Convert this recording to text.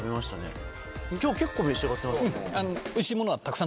今日結構召し上がってますよね？